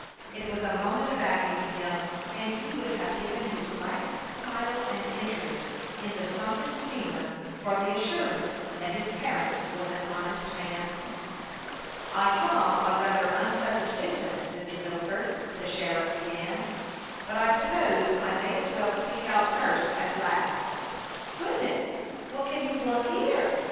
It was a moment of agony to him, and he would have given his right, title, and interest in the sunken steamer for the assurance that his parent was an honest man. " I come on rather unpleasant business, Mr. Wil ford," the sheriff began ;" but I suppose I may as well speak out first as last." " Goodness ! what can you want here